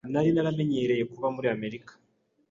Nari naramenyereye kuba muri Amerika.